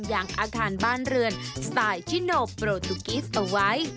อย่างอาคารบ้านเรือนสไตล์ชิโนโปรตุกิสเอาไว้